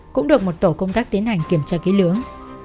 cũng được một tổ công tác tiến hành kiểm tra ký lưỡng